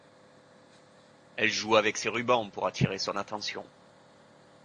Elle joue avec ses rubans pour attirer son attention.